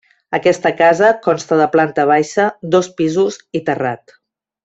Aquesta casa consta de planta baixa, dos pisos i terrat.